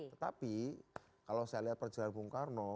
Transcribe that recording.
tetapi kalau saya lihat perjalanan bung karno